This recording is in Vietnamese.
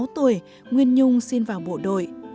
một mươi sáu tuổi nguyên nhung xin vào bộ đội